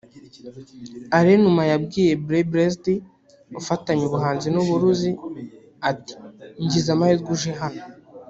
Alain Numa yabwiye Brian Blessed ufatanya ubuhanzi n'uburuzi ati 'Ngize amahirwe uje hano